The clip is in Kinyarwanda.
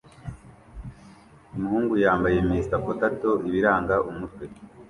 Umuhungu yambaye Mr Potato ibiranga umutwe